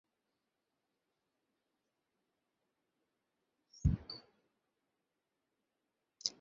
মনে কর, একটা ছেকড়া গাড়ীর ঘোড়া বক্তৃতা দিতে আরম্ভ করিল।